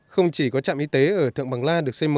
không chỉ có trạm y tế ở thượng bằng la